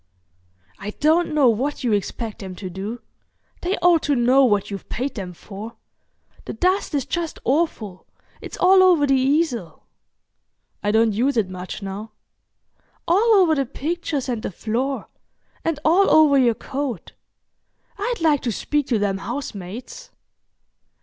"I don't know what you expect them to do. They ought to know what you've paid them for. The dust's just awful. It's all over the easel." "I don't use it much now." "All over the pictures and the floor, and all over your coat. I'd like to speak to them housemaids."